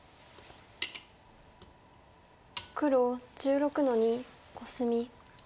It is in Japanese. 黒１６の二コスミ。